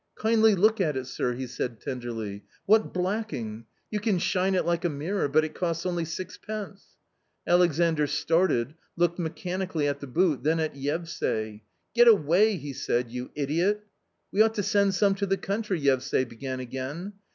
" Kindly look at it, sir," he said tenderly, " what blacking ! you can shine it like a mirror, but it costs only six pence !" Alexandr started, looked mechanically at the boot, then at Yevsay. " Get away !" he said, " you idiot !"" We ought to send some to the country," Yevsay began again.